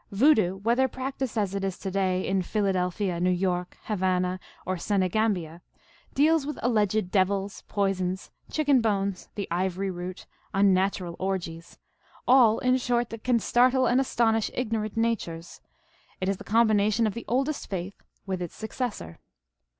Voodoo, whether practiced, as it is to day, in Philadelphia, New York, Havana, or Senegambia, deals with alleged devils, poisons, chicken TALES OF MAGIC. 337 bones, the ivory root, unnatural orgies, all, in short, that can startle and astonish ignorant natures ; it is the combination of the oldest faith with its successor.